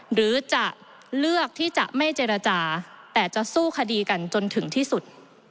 หรือจะเลือกที่จะไม่เจรจาแต่จะสู้คดีกันจนถึงที่สุด